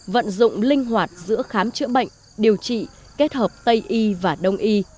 vận dụng linh hoạt giữa khám chữa bệnh điều trị kết hợp tây y và đông y